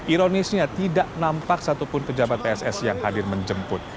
ironisnya tidak nampak satupun pejabat pss yang hadir menjemput